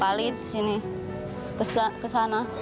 pak alid di sini ke sana